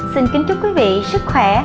xin kính chúc quý vị sức khỏe